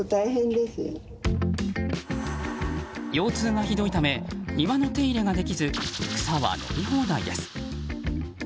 腰痛がひどいため庭の手入れができず草は伸び放題です。